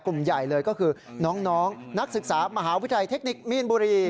กลุ่มใหญ่เลยก็คือน้องนักศึกษามหาวิทยาลัยเทคนิคมีนบุรี